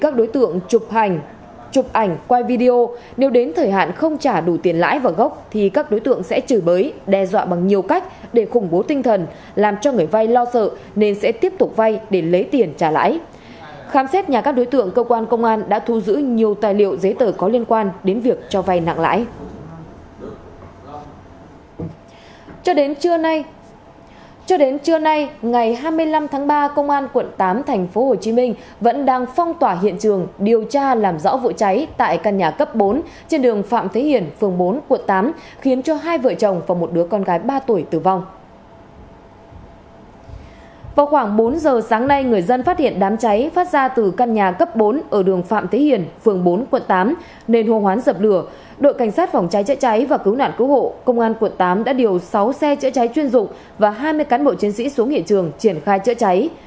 trên các phòng cháy chữa cháy và cứu nạn cứu hộ công an quận tám đã điều sáu xe chữa cháy chuyên dụng và hai mươi cán bộ chiến sĩ xuống hiện trường triển khai chữa cháy